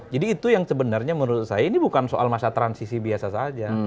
jadi itu yang sebenarnya menurut saya ini bukan soal masa transisi biasa saja